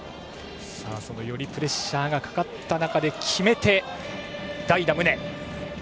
よりプレッシャーがかかった中で決めて、代打、宗。